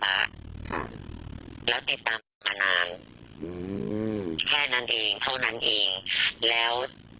อืมแล้วติดตามมานานอืมแค่นั้นเองเท่านั้นเองแล้วเอ่อ